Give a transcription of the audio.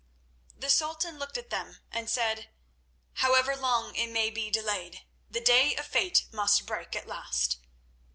The Sultan looked at them and said: "However long it may be delayed, the day of fate must break at last.